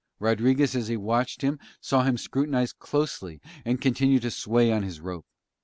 Rodriguez as he watched him saw him scrutinise closely and continue to sway on his rope.